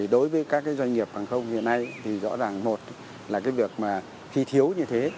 đối với các doanh nghiệp hàng không hiện nay thì rõ ràng một là cái việc mà khi thiếu như thế